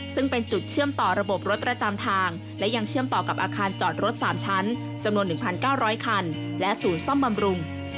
ซึ่งเป็นจุดเชื่อมต่อระบบรถประจำทางและยังเชื่อมต่อกับอาคารจอดรถ๓ชั้นจำนวน๑๙๐๐คันและศูนย์ซ่อมบำรุง